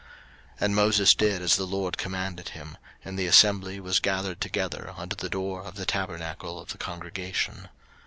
03:008:004 And Moses did as the LORD commanded him; and the assembly was gathered together unto the door of the tabernacle of the congregation.